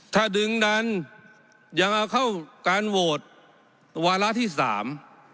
ถ้าดึงดันยังเอาเข้าการโหวตวาระที่สาม